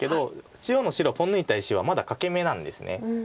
中央の白ポン抜いた石はまだ欠け眼なんです。